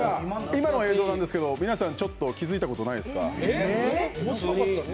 今の映像なんですけど、皆さん気付いたことないですか？